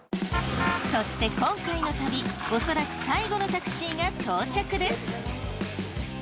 そして今回の旅おそらく最後のタクシーが到着です。